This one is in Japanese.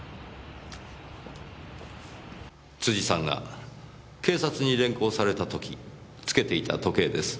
辻さんが警察に連行された時つけていた時計です。